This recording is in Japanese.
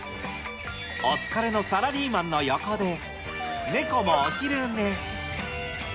お疲れのサラリーマンの横で、ネコもお昼寝。